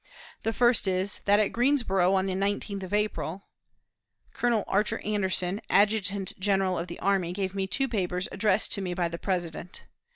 The first is that at Greensboro, on the 19th of April "Colonel Archer Anderson, adjutant general of the army, gave me two papers, addressed to me by the President.